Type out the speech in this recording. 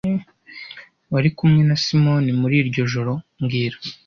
Wari kumwe na Simoni muri iryo joro mbwira